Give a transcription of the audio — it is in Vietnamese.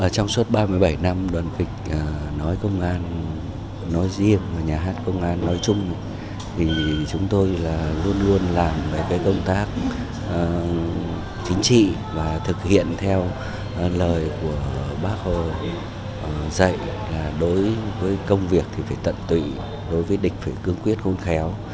trong suốt ba mươi bảy năm đoàn kịch nói công an nói riêng nhà hát công an nói chung chúng tôi luôn luôn làm công tác chính trị và thực hiện theo lời của bác hồ dạy đối với công việc phải tận tụy đối với địch phải cương quyết không khéo